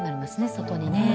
外にね。